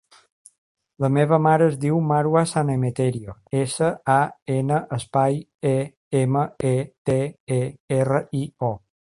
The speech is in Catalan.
La meva mare es diu Marwa San Emeterio: essa, a, ena, espai, e, ema, e, te, e, erra, i, o.